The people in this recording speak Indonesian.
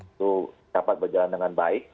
itu dapat berjalan dengan baik